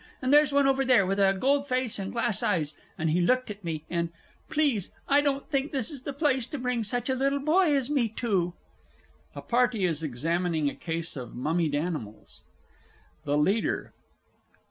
And there's one over there with a gold face and glass eyes, and he looked at me, and please, I don't think this is the place to bring such a little boy as me to! A Party is examining a Case of Mummied Animals. THE LEADER.